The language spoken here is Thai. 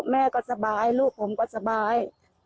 แม่ก็สบายลูกผมก็สบาย